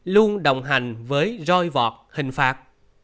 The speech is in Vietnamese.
luôn đồng hành với roi vọt hình phạt